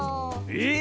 え